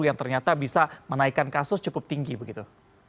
yang ternyata bisa menaikkan kasus cukup tinggi begitu